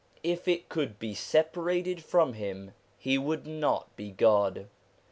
If it could be separated from Him, He would not be God.